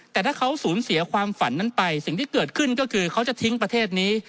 แต่ถ้าเขาสูญเสียความฝันนั้นไปสิ่งที่เกิดขึ้นก็คือเขาจะทิ้งประเทศนี้